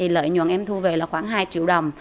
lợi nhuận em thu về là khoảng hai triệu đồng